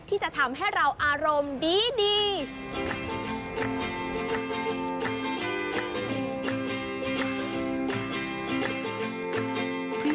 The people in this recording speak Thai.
ที่จะทำให้เราอารมณ์ดี